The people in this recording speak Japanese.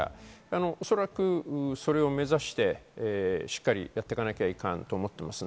おそらくそれを目指してしっかりやっていかなきゃいかんと思っています。